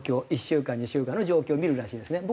１週間２週間の状況を見るらしいんですね。